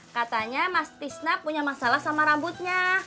katanya mas tisna punya masalah sama rambutnya